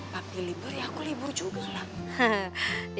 waktu libur ya aku libur juga lah